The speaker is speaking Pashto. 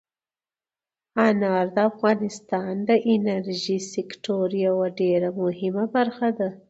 انار د افغانستان د انرژۍ سکتور یوه ډېره مهمه برخه ده.